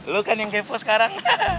lu kan yang kepo sekarang